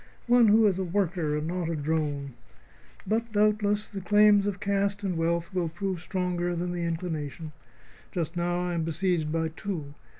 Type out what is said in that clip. One who is a worker and not a drone. But, doubtless, the claims of caste and wealth will prove stronger than my inclination. Just now I am besieged by two.